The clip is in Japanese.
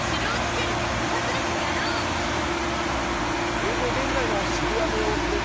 映像、現在の渋谷の様子です。